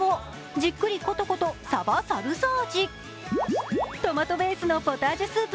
じっくりコトコトサバサルサ味。